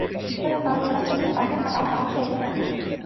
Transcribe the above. তবে মাছ ধরার জন্য বাঁধের কাটা অংশে জাল দিয়ে রাখা হয়েছে।